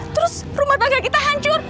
terus rumah tangga kita hancur